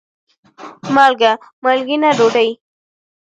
مالګه : مالګېنه ډوډۍ